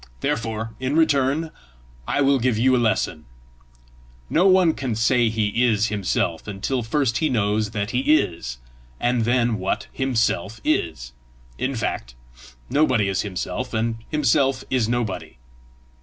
Therefore, in return, I will give you a lesson: No one can say he is himself, until first he knows that he IS, and then what HIMSELF is. In fact, nobody is himself, and himself is nobody.